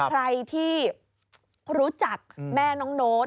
ใครที่รู้จักแม่น้องโน้ต